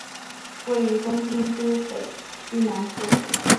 位于东京都北区南部。